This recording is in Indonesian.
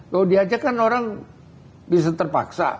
kalau diajak kan orang bisa terpaksa